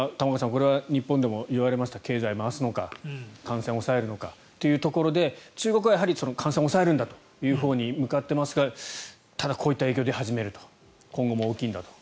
これは日本でも言われました経済を回すのか感染を抑えるのかというところで中国はやはり感染を抑えるんだというほうに向かっていますがただ、こういった影響が出始めると今後も大きいんだろうと。